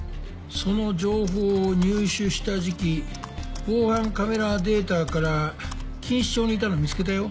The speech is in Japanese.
その情報を入手した時期防犯カメラデータから錦糸町にいたの見つけたよ。